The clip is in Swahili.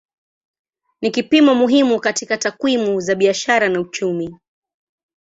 Ni kipimo muhimu katika takwimu za biashara na uchumi.